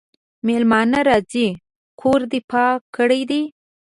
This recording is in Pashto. مېلمانه راځي کور دي پاک کړی دی؟